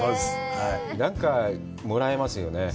なんかもらえますよね。